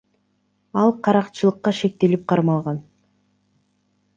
Ал каракчылыкка шектелип кармалган.